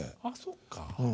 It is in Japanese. あそっか。